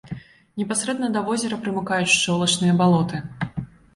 Непасрэдна да возера прымыкаюць шчолачныя балоты.